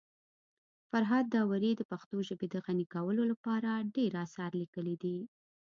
فرهاد داوري د پښتو ژبي د غني کولو لپاره ډير اثار لیکلي دي.